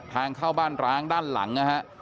ทางเข้าบ้านร้างด้านหลังนะฮะ